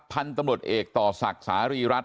พันธุ์ตำรวจเอกต่อศักดิ์สารีรัฐ